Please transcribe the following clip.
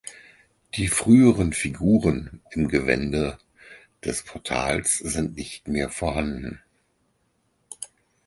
Die früheren Figuren im Gewände des Portals sind nicht mehr vorhanden.